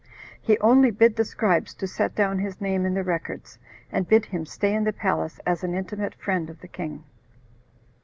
He only bid the scribes to set down his name in the records, and bid him stay in the palace, as an intimate friend of the king.